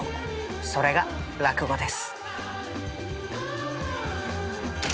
それが落語です。